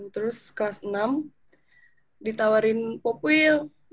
terus kelas enam ditawarin popwil